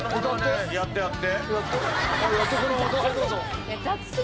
えやってやって。